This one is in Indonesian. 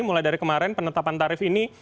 mulai dari kemarin penetapan tarif ini